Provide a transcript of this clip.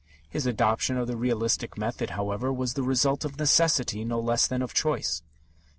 His adoption of the realistic method, however, was the result of necessity no less than of choice.